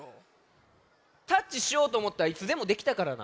タッチしようとおもったらいつでもできたからな。